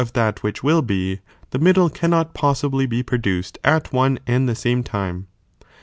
' that which will be, the middle cannot possibly be produced at one and the same time.